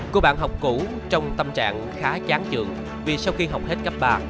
cô bạn học cũ trong tâm trạng khá chán trường vì sau khi học hết cấp ba